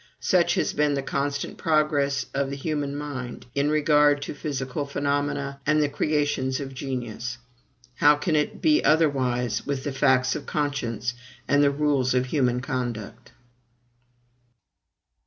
Such has been the constant progress of the human mind in regard to physical phenomena and the creations of genius: how can it be otherwise with the facts of conscience and the rules of human conduct?